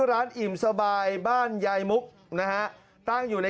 ร่วมสมัยจริง